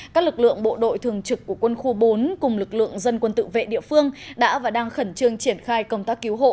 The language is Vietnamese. các lực lượng bộ đội thường trực của quân khu bốn cùng lực lượng dân quân tự vệ địa phương đã và đang khẩn trương triển khai công tác cứu hộ